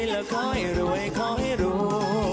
และขอให้รวยขอให้รวย